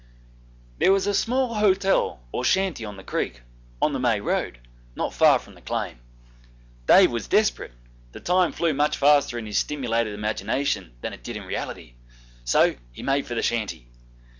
There was a small hotel or shanty on the creek, on the main road, not far from the claim. Dave was desperate, the time flew much faster in his stimulated imagination than it did in reality, so he made for the shanty.